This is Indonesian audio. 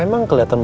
emang kelihatan mu